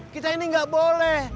kita ini enggak boleh